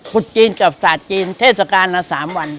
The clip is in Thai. ถดชีนกับศาสน์จีนเทศกาลอยู่๓วัน